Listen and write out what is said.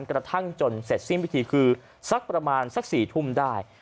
กระทั่งจนเสร็จสิ้นพิธีคือสักประมาณสัก๔ทุ่มได้